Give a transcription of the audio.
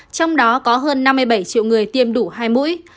trong đó có hơn năm mươi bảy triệu người tiêm đủ hai mũi